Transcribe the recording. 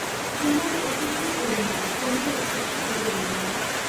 সময় উপস্থিত হবে না, সময় উপস্থিত হতে দেব না।